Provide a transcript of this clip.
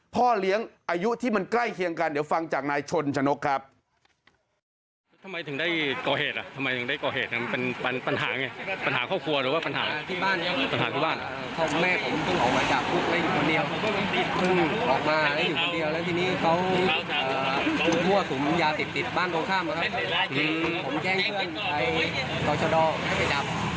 พ่อเลี้ยงอายุที่มันใกล้เคียงกันเดี๋ยวฟังจากนายชนชนกครับ